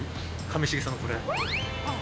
上重さんのこれ。